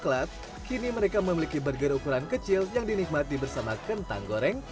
kelak kini mereka memiliki burger ukuran kecil yang dinikmati bersama kentang goreng